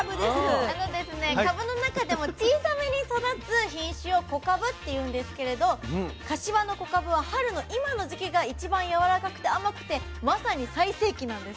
かぶの中でも小さめに育つ品種を小かぶって言うんですけれど柏の小かぶは春の今の時期が一番やわらかくて甘くてまさに最盛期なんです。